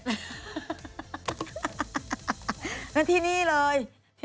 หัวหน้านั้นที่นี้เลย